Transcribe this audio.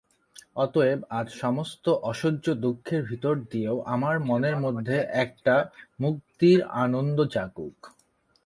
অতএব আজ সমস্ত অসহ্য দুঃখের ভিতর দিয়েও আমার মনের মধ্যে একটা মুক্তির আনন্দ জাগুক।